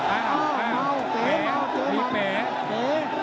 อ้าวอ้าวเป๋เป๋เป๋